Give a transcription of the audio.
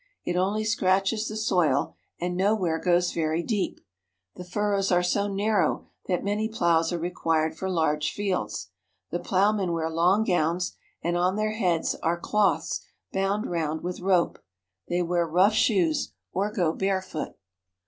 It only scratches the soil, and nowhere goes very deep. The furrows are so narrow that many ploughs are required for large fields. The ploughmen wear long gowns, and on 1 66 FARMING IN LAND OF MILK AND HONEY their heads are cloths bound round with rope. They wear rough shoes or go barefoot.